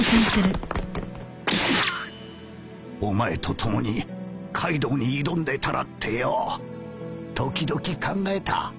お前と共にカイドウに挑んでたらってよ時々考えたてやーっ！